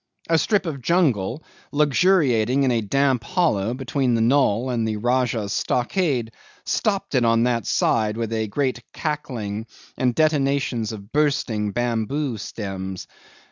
A strip of jungle luxuriating in a damp hollow between the knoll and the Rajah's stockade stopped it on that side with a great crackling and detonations of bursting bamboo stems.